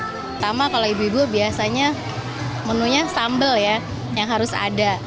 pertama kalau ibu ibu biasanya menunya sambal ya yang harus ada